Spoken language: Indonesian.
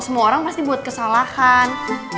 semua orang pasti buat kesalahan